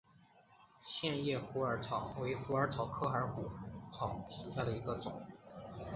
线叶虎耳草为虎耳草科虎耳草属下的一个种。